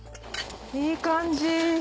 いい感じ。